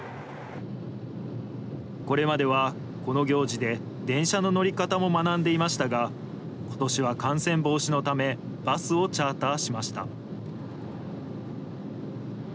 これまではこの行事で電車の乗り方も学んでいましたが、ことしは感染防止のため、バスをチャーターしました。